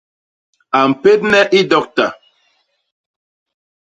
A mpédne i dokta.